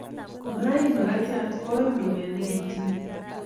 maim makatiat koim rupet nekitinyei